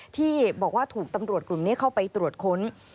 ที่บอกว่าถูกตำรวจกลุ่มนี้เข้าไปตรวจค้น